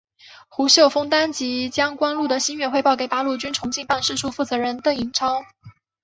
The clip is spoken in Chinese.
胡绣凤当即将关露的心愿汇报给八路军重庆办事处负责人邓颖超。